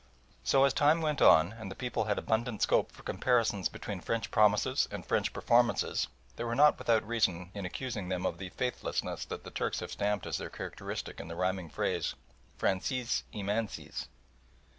So as time went on, and the people had abundant scope for comparisons between French promises and French performances, they were not without reason in accusing them of the faithlessness that the Turks have stamped as their characteristic in the rhyming phrase, "Fransiz imansiz."